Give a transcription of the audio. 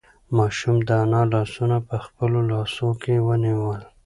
ماشوم د انا لاسونه په خپلو لاسو کې ونیول.